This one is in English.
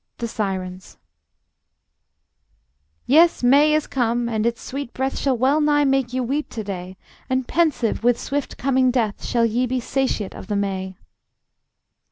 The Sirens: Yes, May is come, and its sweet breath Shall well nigh make you weep to day, And pensive with swift coming death Shall ye be satiate of the May.